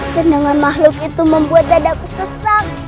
genangan makhluk itu membuat dadaku sesak